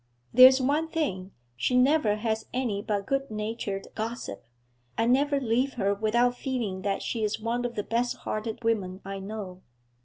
There's one thing, she never has any but good natured gossip; I never leave her without feeling that she is one of the best hearted women I know.'